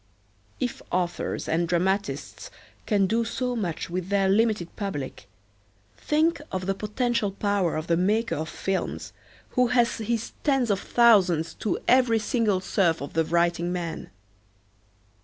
If authors and dramatists can do so much with their limited public, think of the potential power of the maker of films, who has his tens of thousands to every single serf of the writing man.